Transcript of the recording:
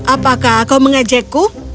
apakah kau mengajakku